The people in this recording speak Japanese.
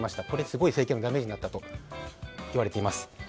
これはすごい政権のダメージになったといわれています。